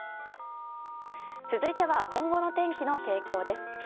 続いては、今後の天気の傾向です。